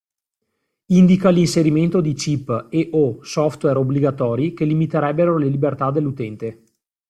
Indica l'inserimento di chip e/o software obbligatori che limiterebbero le libertà dell'utente.